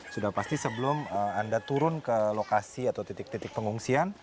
sudah pasti sebelum anda turun ke lokasi atau titik titik pengungsian